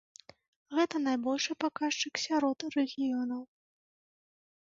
Гэта найбольшы паказчык сярод рэгіёнаў.